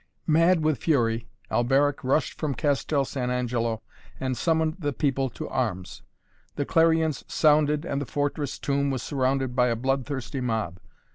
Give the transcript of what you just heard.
Mad with fury, Alberic rushed from Castel San Angelo and summoned the people to arms. The clarions sounded and the fortress tomb was surrounded by a blood thirsty mob.